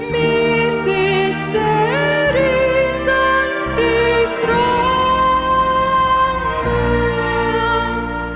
มีสิทธิ์แสรีสันติครองเมือง